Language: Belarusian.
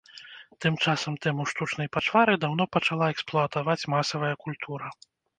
Тым часам тэму штучнай пачвары даўно пачала эксплуатаваць масавая культура.